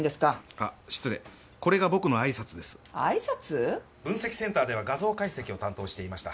あいさつ？分析センターでは画像解析を担当していました。